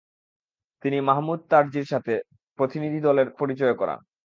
তিনি মাহমুদ তারজির সাথে প্রতিনিধিদলের পরিচয় করান।